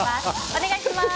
お願いします。